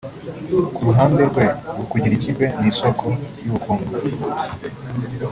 Ku ruhande rwe ngo kugira ikipe ni isoko y’ubukungu